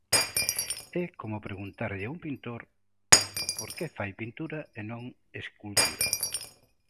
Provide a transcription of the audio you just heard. É como preguntarlle a un pintor por que fai pintura e non escultura.